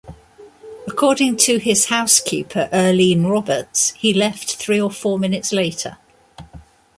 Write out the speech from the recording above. According to his housekeeper Earlene Roberts, he left three or four minutes later.